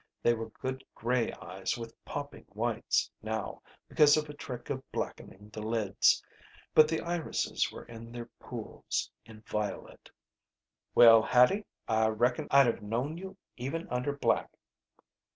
They were good gray eyes with popping whites now, because of a trick of blackening the lids. But the irises were in their pools, inviolate. "Well, Hattie, I reckon I'd have known you even under black."